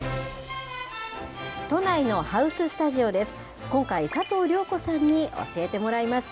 都内のハウススタジオです。